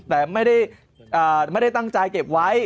แต่ไม่ได้ตั้งใจเก็บไว้